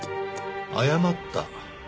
謝った？